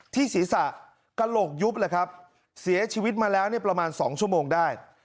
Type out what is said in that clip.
ที่ศีรษะกระโหลกยุบแหละครับเสียชีวิตมาแล้วเนี่ยประมาณ๒ชั่วโมงได้